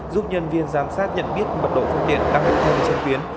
giúp nhân viên giám sát nhận biết mật độ phương tiện đang hành động trên tuyến